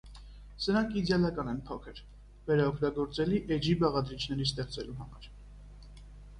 Սրանք իդեալական են փոքր, վերաօգտագործելի էջի բաղադրիչներ ստեղծելու համար։